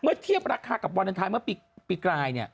เมื่อเทียบราคากับวันอันทรายเมื่อปีกราย